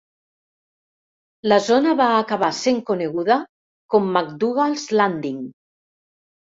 La zona va acabar sent coneguda com "McDougal's Landing".